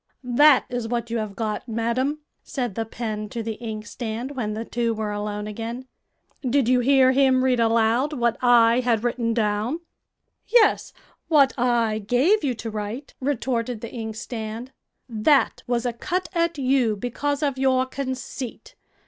"That is what you have got, madam," said the pen to the inkstand, when the two were alone again. "Did you hear him read aloud what I had written down?" "Yes, what I gave you to write," retorted the inkstand. "That was a cut at you because of your conceit.